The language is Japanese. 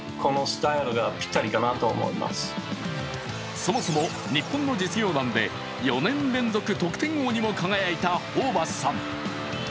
そもそも、日本の実業団で４年連続得点王にも輝いたホーバスさん。